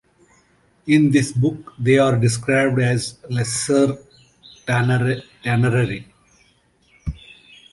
In this book, they are described as lesser tanar'ri.